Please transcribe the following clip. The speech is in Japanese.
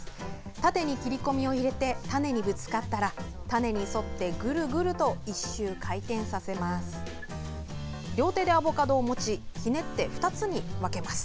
縦に切り込みを入れて種にぶつかったら種に沿ってグルグルと一周、回転させます。